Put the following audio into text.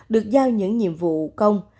được giao những nhiệm vụ công